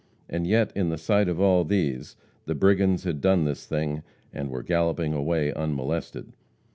And yet in the sight of all these the brigands had done this thing, and were galloping away unmolested.